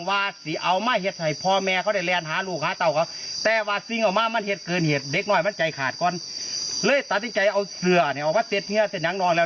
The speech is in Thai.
สามที่สามปีเป็นผู้ชายสูงเนี่ยกันสูงกับผมกับสูงแน่